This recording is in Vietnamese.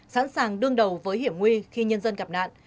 sẵn sàng đương đầu với hiểm nguy khi nhân dân gặp nạn